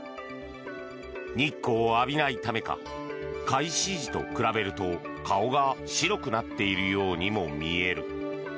日光を浴びないためか開始時と比べると顔が白くなっているようにも見える。